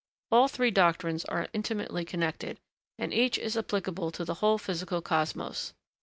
All three doctrines are intimately connected, and each is applicable to the whole physical cosmos.